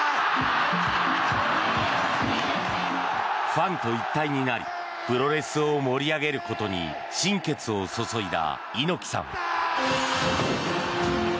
ファンと一体になりプロレスを盛り上げることに心血を注いだ猪木さん。